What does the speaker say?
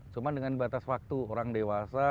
cuma dengan batas waktu orang dewasa